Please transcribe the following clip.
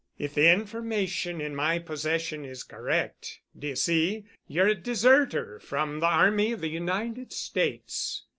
If the information in my possession is correct, d'ye see, ye're a deserter from the army of the United States.